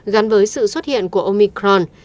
gắn với sự xuất hiện của omicron